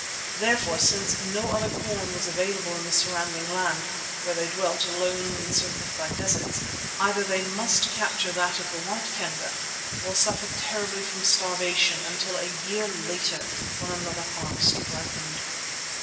Therefore, since no other corn was available in the surrounding land, where they dwelt alone encircled by deserts, either they must capture that of the White Kendah, or suffer terribly from starvation until a year later when another harvest ripened.